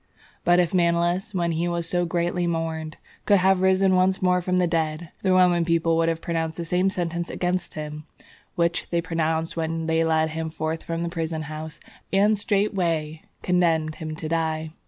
But if Manlius when he was so greatly mourned, could have risen once more from the dead, the Roman people would have pronounced the same sentence against him which they pronounced when they led him forth from the prison house, and straightway condemned him to die.